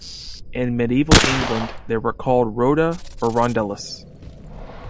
In medieval England, they were called rota or rondellus.